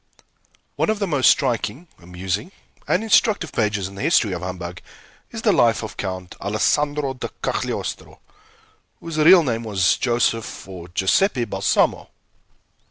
One of the most striking, amusing, and instructive pages in the history of humbug is the life of Count Alessandro di Cagliostro, whose real name was Joseph or Giuseppe Balsamo.